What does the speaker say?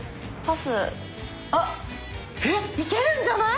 あいけるんじゃない？